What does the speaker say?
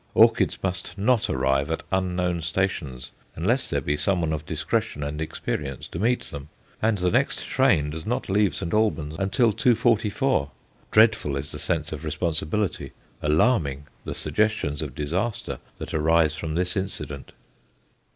Orchids must not arrive at unknown stations unless there be somebody of discretion and experience to meet them, and the next train does not leave St. Albans until 2.44 p.m. Dreadful is the sense of responsibility, alarming the suggestions of disaster, that arise from this incident.